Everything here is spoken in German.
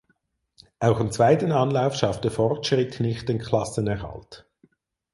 Auch im zweiten Anlauf schaffte Fortschritt nicht den Klassenerhalt.